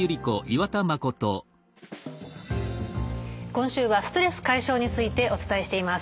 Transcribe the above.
今週は「ストレス解消」についてお伝えしています。